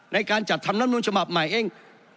ในการจัดทำรัฐมนุนฉบับใหม่เอง